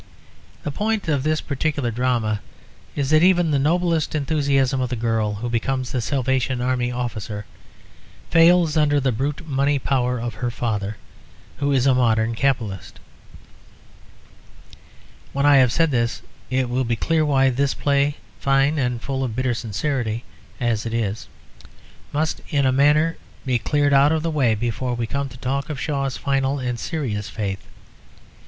The point of this particular drama is that even the noblest enthusiasm of the girl who becomes a Salvation Army officer fails under the brute money power of her father who is a modern capitalist. When I have said this it will be clear why this play, fine and full of bitter sincerity as it is, must in a manner be cleared out of the way before we come to talk of Shaw's final and serious faith.